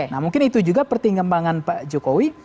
nah mungkin itu juga pertimbangan pak jokowi